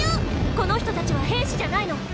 この人たちは兵士じゃないの。